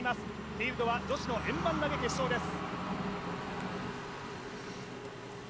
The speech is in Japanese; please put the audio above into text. フィールドは女子の円盤投決勝です。